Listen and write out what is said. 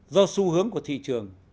do xu hướng của thị trường